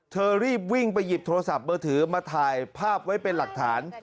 เธอรีบวิ่งไปหยิบโทรศัพท์มือถือมาถ่ายภาพไว้เป็นหลักฐาน